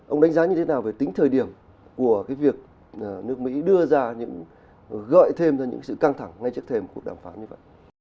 ông đánh giá như thế nào về tính thời điểm của việc nước mỹ đưa ra gợi thêm ra những sự căng thẳng ngay trước thềm của cuộc đàm phán như vậy